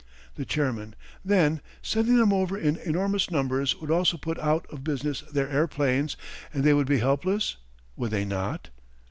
The Chairman: Then, sending them over in enormous numbers would also put out of business their airplanes, and they would be helpless, would they not?